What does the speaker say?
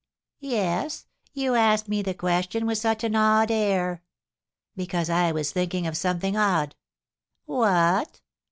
"Yes, you ask me the question with such an odd air." "Because I was thinking of something odd." "What?"